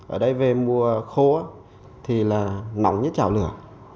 ở đây về mùa khô thì là nóng như trào lửa